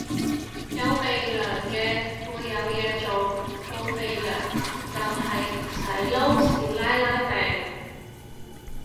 有鼻樑嘅會有嘢做，冇鼻樑就係唔使撈少奶奶命